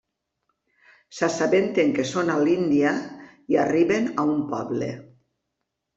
S'assabenten que són a l'Índia i arriben a un poble.